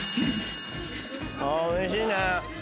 あおいしいね。